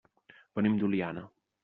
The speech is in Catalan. Venim d'Oliana.